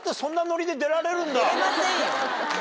出れませんよ。